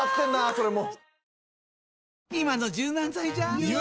それも。